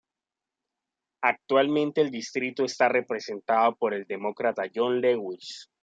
Actualmente el distrito está representado por el Demócrata John Lewis.